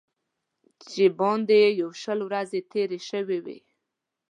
چې باندې یې یو شل ورځې تېرې شوې وې.